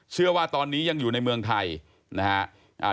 เชื่อว่าตอนนี้ยังอยู่ในเมืองไทยนะฮะ